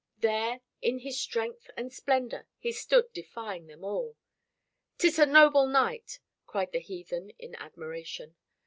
There, in his strength and splendor, he stood defying them all. "'Tis a noble knight!" cried the heathen in admiration.